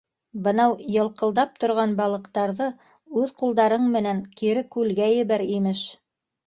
Бынау йылҡылдап торған балыҡтарҙы үҙ ҡулдарың менән кире күлгә ебәр, имеш.